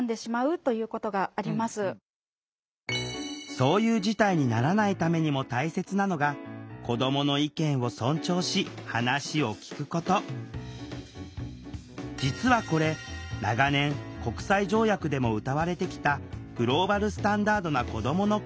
そういう事態にならないためにも大切なのが実はこれ長年国際条約でもうたわれてきたグローバルスタンダードな子どもの権利。